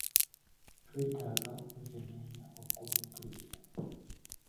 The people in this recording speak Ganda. Twetaaga okwekenneenya obukulu bw'empuliziganya.